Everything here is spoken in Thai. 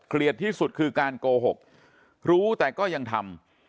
ที่สุดคือการโกหกรู้แต่ก็ยังทำ